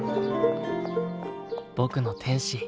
僕の天使。